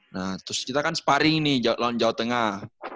nah terus kita kan sparring nih lawan jawa tengah